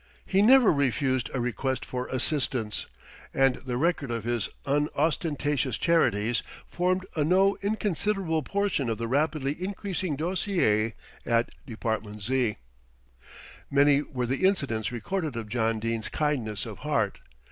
He never refused a request for assistance, and the record of his unostentatious charities formed a no inconsiderable portion of the rapidly increasing dossier at Department Z. Many were the incidents recorded of John Dene's kindness of heart.